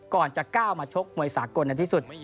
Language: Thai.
ก่อนจะก้าวมาชกมวยสากลในที่สุด